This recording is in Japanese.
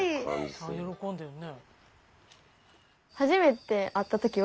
喜んでるね。